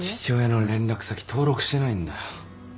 父親の連絡先登録してないんだよ。